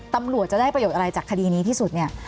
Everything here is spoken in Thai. ตำรวจจะได้ประโยชน์อะไรจากคดีนี้ที่สุดเนี่ย